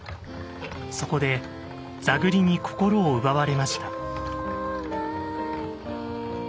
そこで座繰りに心を奪われました。